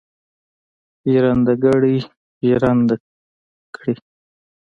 ژرندهګړی ژرنده کړي.